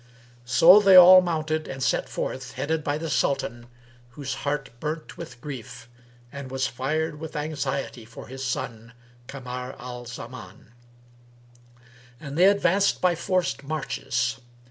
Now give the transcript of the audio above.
So they all mounted and set forth, headed by the Sultan, whose heart burnt with grief and was fired with anxiety for his son Kamar al Zaman; and they advanced by forced marches.